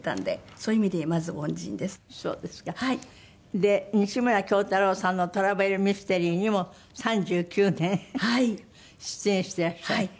で西村京太郎さんの『トラベルミステリー』にも３９年出演していらっしゃる。